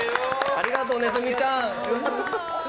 ありがとう、ネズミちゃん！